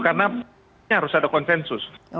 karena ini harus ada konsensus